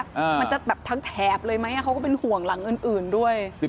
มันจะแบบทั้งแถบเลยไหมเขาก็เป็นห่วงหลังอื่นด้วย